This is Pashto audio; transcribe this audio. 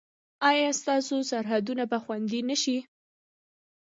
ایا ستاسو سرحدونه به خوندي نه شي؟